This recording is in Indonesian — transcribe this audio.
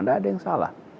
nggak ada yang salah